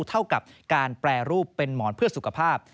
เท่ากับการแปรรูปเป็นหมอนเพื่อสุขภาพ